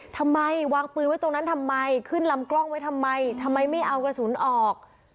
ทำไมวางปืนไว้ตรงนั้นทำไมขึ้นลำกล้องไว้ทำไมทำไมไม่เอากระสุนออก